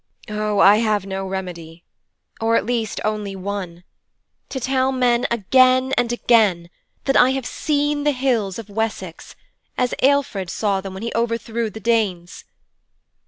Oh, I have no remedy or, at least, only one to tell men again and again that I have seen the hills of Wessex as Ćlfrid saw them when he overthrew the Danes.